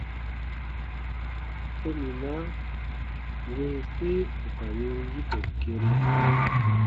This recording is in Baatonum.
Sominaa winsi ù ka win yiko gere.